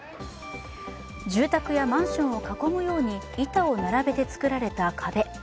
住宅やマンションを囲むように板を並べて造られた壁。